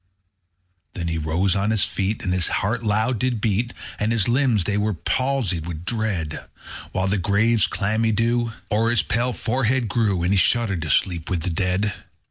10. Then he rose on his feet, And his heart loud did beat, And his limbs they were palsied with dread; _55 Whilst the grave's clammy dew O'er his pale forehead grew; And he shuddered to sleep with the dead.